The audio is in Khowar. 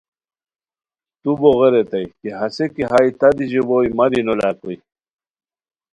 تو بوغے ریتائے کی ہسے کی ہائے تہ دی ژیبوئے مہ دی نو لاکوئے